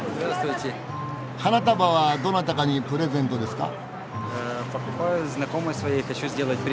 花束はどなたかにプレゼントですか？